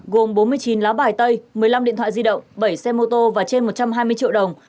gồm bốn mươi chín lá bài tay một mươi năm điện thoại di động bảy xe mô tô và trên một trăm hai mươi triệu đồng